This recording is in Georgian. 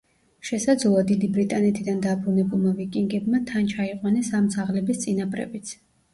შესაძლოა დიდი ბრიტანეთიდან დაბრუნებულმა ვიკინგებმა თან ჩაიყვანეს ამ ძაღლების წინაპრებიც.